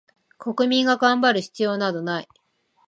国民が頑張る必要などない